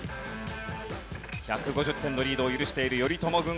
１５０点のリードを許している頼朝軍